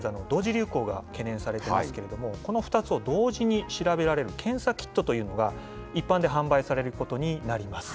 流行が懸念されてますけれども、この２つを同時に調べられる検査キットというのが、一般で販売されることになります。